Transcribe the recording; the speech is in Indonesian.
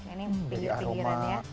ini pindah ke pinggiran ya